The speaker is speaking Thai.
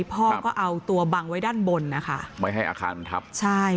พ่อก็เอาตัวบังไว้ด้านบนนะคะไม่ให้อาคารมันทับใช่